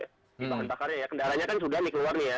bahan bakarnya ya kendaranya kan sudah dikeluar nih ya